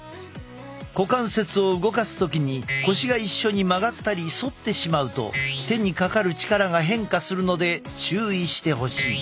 股関節を動かす時に腰が一緒に曲がったり反ってしまうと手にかかる力が変化するので注意してほしい。